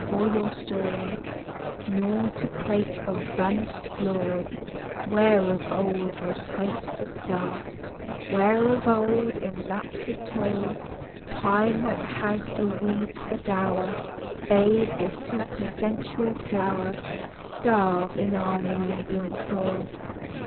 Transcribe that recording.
for your story, Nor to prate of vanished glory Where of old was quenched a star; Where, of old, in lapse of toil, Time, that has for weeds a dower, Bade the supersensual flower Starve in our New England soil.